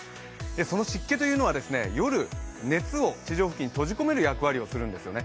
その湿気というのは夜、熱を地上付近に閉じ込める役割をするんですよね。